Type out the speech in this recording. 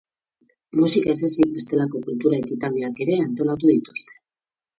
Musika ez ezik, bestelako kultura ekitaldiak ere antolatu dituzte.